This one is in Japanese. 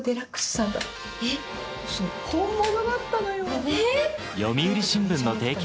本物だったのよ。